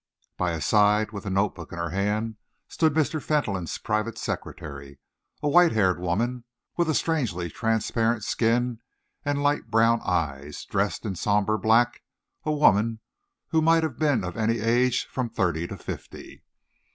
By his side, with a notebook in her hand, stood Mr. Fentolin's private secretary a white haired woman, with a strangely transparent skin and light brown eyes, dressed in somber black, a woman who might have been of any age from thirty to fifty.